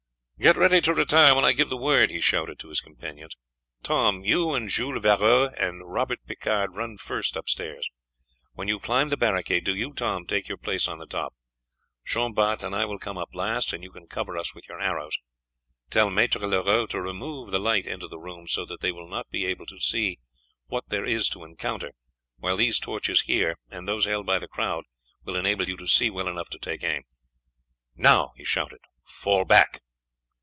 "Get ready to retire when I give the word!" he shouted to his companions. "Tom, you and Jules Varoy and Robert Picard run first upstairs. When you have climbed the barricade, do you, Tom, take your place on the top. Jean Bart and I will come up last, and you can cover us with your arrows. Tell Maître Leroux to remove the light into the room, so that they will not be able to see what there is to encounter, while these torches here and those held by the crowd will enable you to see well enough to take aim. Now!" he shouted, "fall back!"